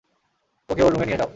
ওকে ওর রুমে নিয়ে যাও।